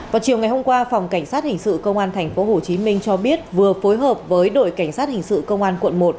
vào chiều ngày hôm qua phòng cảnh sát hình sự công an thành phố hồ chí minh cho biết vừa phối hợp với đội cảnh sát hình sự công an quận một